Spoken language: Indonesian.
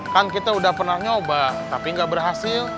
kan kita udah pernah nyoba tapi nggak berhasil